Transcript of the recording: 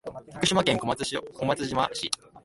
徳島県小松島市